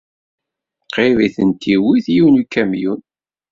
Qrib ay ten-iwit yiwen n ukamyun.